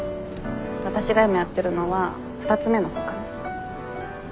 わたしが今やってるのは２つ目のほうかな。